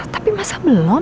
tapi masa belum